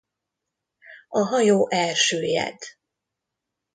A hajó elsüllyed.